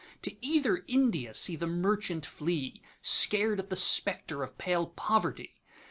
To either India see the merchant fly, Scared at the spectre of pale Poverty!